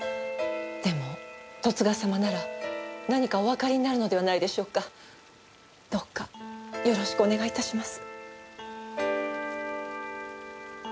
でも十津川様なら何かおわかりになるのではないでしょうか？どうかよろしくお願い致します。